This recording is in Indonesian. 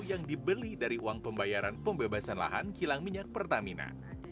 yang dibeli dari uang pembayaran pembebasan lahan kilang minyak pertamina